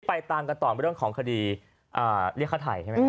ตามกันต่อเรื่องของคดีเรียกค่าไถ่ใช่ไหมครับ